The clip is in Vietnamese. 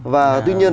và tuy nhiên